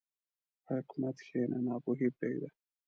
په حکمت کښېنه، ناپوهي پرېږده.